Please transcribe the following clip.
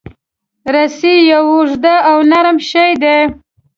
رسۍ یو اوږد او نرم شی دی.